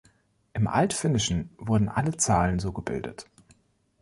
Im Altfinnischen wurden alle Zahlen so gebildet.